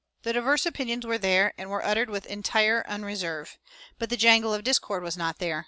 The diverse opinions were there, and were uttered with entire unreserve. But the jangle of discord was not there.